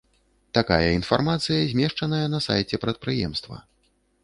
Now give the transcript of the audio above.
Такая інфармацыя змешчаная на сайце прадпрыемства.